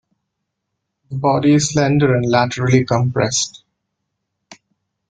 The body is slender and laterally compressed.